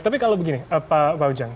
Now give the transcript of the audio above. tapi kalau begini pak ujang